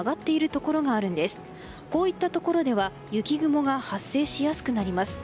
こういったところでは雪雲が発生しやすくなります。